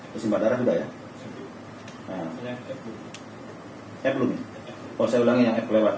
bersimbah darah sudah ya